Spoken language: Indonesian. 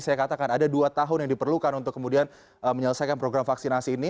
saya katakan ada dua tahun yang diperlukan untuk kemudian menyelesaikan program vaksinasi ini